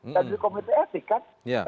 dari komite etik kan